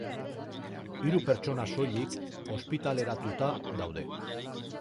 Hiru pertsona soilik ospitaleratuta daude.